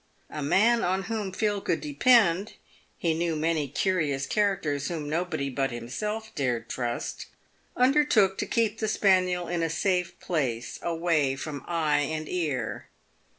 A man on whom Phil could depend (he knew many curious characters whom nobody but himself dared trust) undertook to keep the spaniel in a safe place, away from eye and ear.